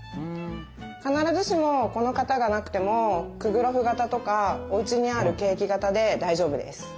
必ずしもこの型がなくてもクグロフ型とかおうちにあるケーキ型で大丈夫です。